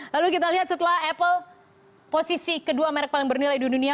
lalu kita lihat setelah apple posisi kedua merek paling bernilai di dunia